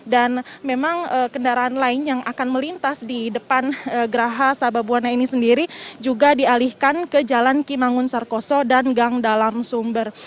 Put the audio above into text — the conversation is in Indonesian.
dan memang kendaraan lain yang akan melintas di depan geraha sababwana ini sendiri juga dialihkan ke jalan kimangun sarkoso dan gang dalam sumber